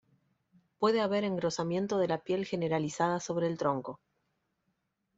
Puede haber engrosamiento de la piel generalizada sobre el tronco.